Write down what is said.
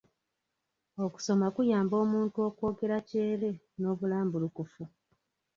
Okusoma kuyamba omuntu okwogera kyere n'obulambulukufu.